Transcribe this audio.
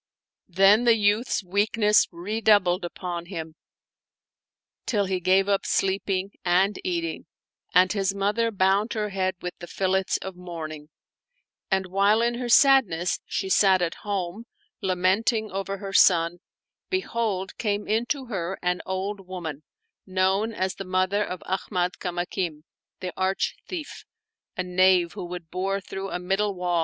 Then the youth's weakness redoubled upon him, till he gave up sleeping and eating, and his mother bound her head with the fillets of mourning. And while in her sad ness she sat at home, lamenting over her son, behold came in to her an old woman, known as the mother of Ahmad Kamakim, the arch thief, a knave who would bore through a middle wall and scale the tallest of the tall and steal the very kohl off the eyeball.